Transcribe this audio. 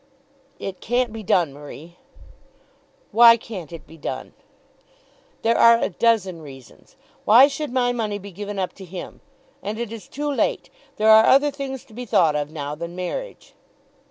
"It can't be done, Marie." "Why can't it be done?" "There are a dozen reasons. Why should my money be given up to him? And it is too late. There are other things to be thought of now than marriage."